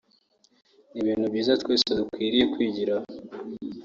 ni ibintu byiza twese dukwiye kwigiraho